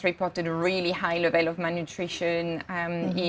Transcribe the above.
kelompok kemanusiaan yang sangat tinggi